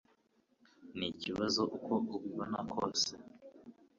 Ni ikibazo uko ubibona kose.